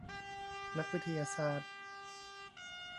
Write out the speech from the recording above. นักวิทยาศาสตร์